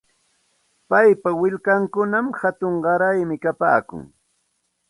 Paypa willkankunam hatun qaraymi kapaakun.